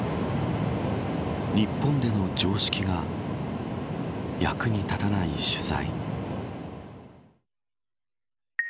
日本での常識が役に立たない取材。